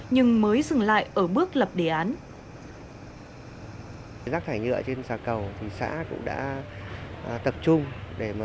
nhưng mới dừng lại ở bước lập đề án rác thải nhựa trên xã cầu thì xã cũng đã